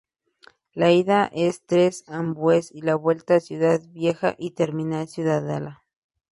La ida es Tres Ombúes y la vuelta Ciudad Vieja o Terminal Ciudadela.